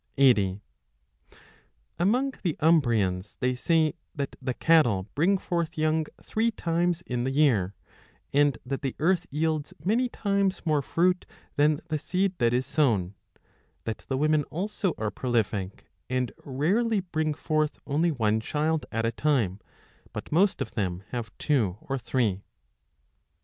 20 Among the Umbrians they say that the cattle bring 80 forth young three times in the year, and that the earth yields many times more fruit than the seed that is sown : that the women also are prolific, and rarely bring forth only one child at a time, but most of them have two or three.